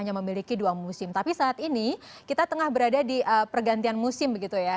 jadi kita berada di pergantian musim begitu ya